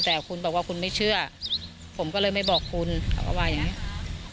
แต่คุณบอกว่าคุณไม่เชื่อผมก็เลยไม่บอกคุณเขาก็ว่าอย่างงั้น